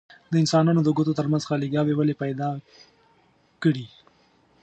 د انسانانو د ګوتو ترمنځ خاليګاوې ولې پیدا کړي؟